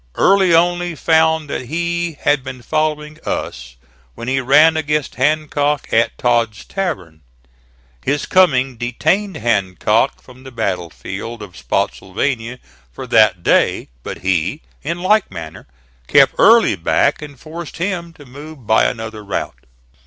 Early only found that he had been following us when he ran against Hancock at Todd's Tavern. His coming detained Hancock from the battle field of Spottsylvania for that day; but he, in like manner, kept Early back and forced him to move by another route.